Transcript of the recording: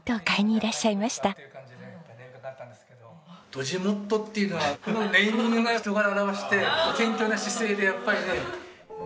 ＤｏＪｉｍｏｔｔｏっていうのはこのネーミングが人柄を表して謙虚な姿勢でやっぱりね。